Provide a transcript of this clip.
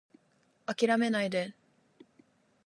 諦めないで